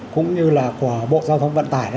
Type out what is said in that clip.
cũng như là của bộ giao thông vận tải